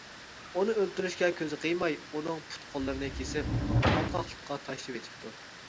ئۇنى ئۆلتۈرۈشكە كۆزى قىيماي، ئۇنىڭ پۇت-قوللىرىنى كېسىپ پاتقاقلىققا تاشلىۋېتىپتۇ.